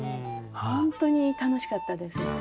本当に楽しかったです。